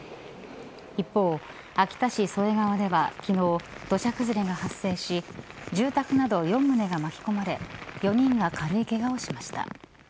一方、秋田市添川では昨日土砂崩れが発生し住宅など４棟が巻き込まれ４人が軽いけがをしました。